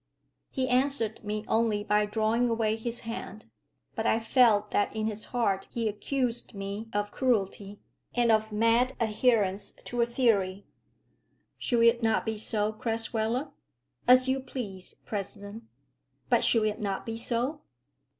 He answered me only by drawing away his hand. But I felt that in his heart he accused me of cruelty, and of mad adherence to a theory. "Should it not be so, Crasweller?" "As you please, President." "But should it not be so?"